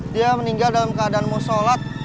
dia meninggal dalam keadaan mau sholat